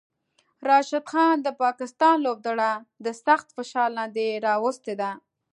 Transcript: راشد خان د پاکستان لوبډله د سخت فشار لاندې راوستی ده